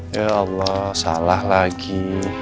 ya allah salah lagi